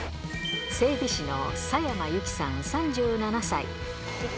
整備士の狭山有希さん３７歳。